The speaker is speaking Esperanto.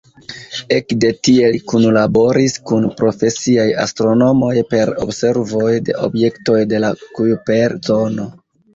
Ekde tie li kunlaboris kun profesiaj astronomoj per observoj de objektoj de la Kujper-zono.